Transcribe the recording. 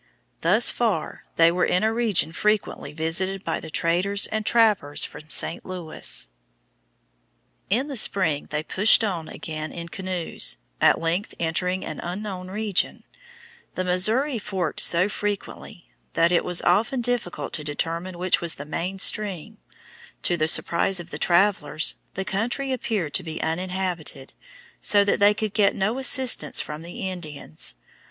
Thus far they were in a region frequently visited by the traders and trappers from St. Louis. [Illustration: FIG. 67. THE GREAT FALLS OF THE MISSOURI] In the spring they pushed on again in canoes, at length entering an unknown region. The Missouri forked so frequently that it was often difficult to determine which was the main stream. To the surprise of the travellers, the country appeared to be uninhabited, so that they could get no assistance from the Indians.